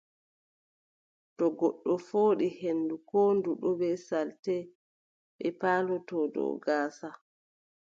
To goɗɗo fooɗi henndu, koo ndu ɗon bee salte, ɗe palotoo dow gaasa.